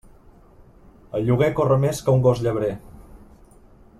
El lloguer corre més que un gos llebrer.